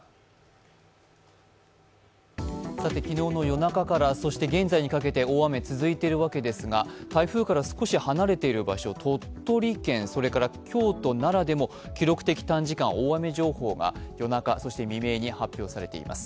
昨日の夜中から、そして現在にかけて大雨が続いているわけですが台風から少し離れている場所、鳥取県、京都、奈良でも、記録的短時間大雨情報が夜中、未明に発表されています。